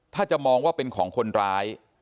ถ้าจะมองว่าเป็นของคนร้าย